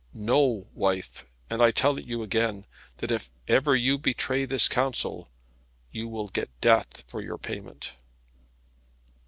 Know, wife and I tell it you again that if ever you betray this counsel you will get death for your payment."